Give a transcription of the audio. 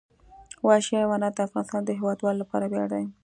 وحشي حیوانات د افغانستان د هیوادوالو لپاره ویاړ دی.